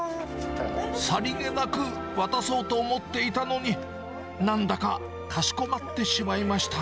さりげなく渡そうと思っていたのに、なんだかかしこまってしまいました。